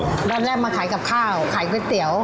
ตอนแรกมาขายกับข้าวขายก๋วยเตี๋ยว